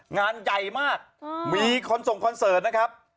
งานใหญ่มากมีคนส่งคอนเสิร์ตนะครับ